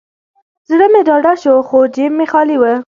زړه مې ډاډه شو، خو جیب مې خالي و.